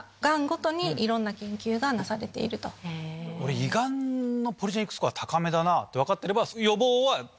「胃ガンのポリジェニックスコア高めだな」って分かってれば。